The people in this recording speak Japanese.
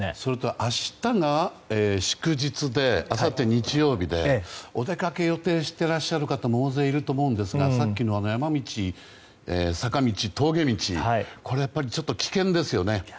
明日が祝日であさって日曜日でお出かけを予定している方も大勢いると思うんですがさっきの山道、坂道峠道とこれはちょっと危険ですよね。